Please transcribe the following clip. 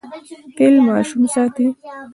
فیل ماشوم ساتي.